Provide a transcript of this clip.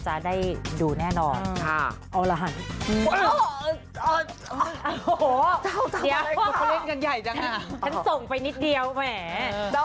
ฉันส่งไปนิดเดียวแหม